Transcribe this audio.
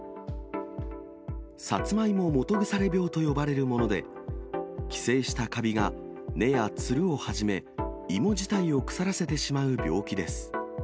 サツマイモ基腐病と呼ばれるもので、寄生したかびが根やつるをはじめ、芋自体を腐らせてしまう病気です。